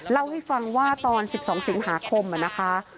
เล่าให้ฟังว่าตอน๑๒สิงหาคมนะคะ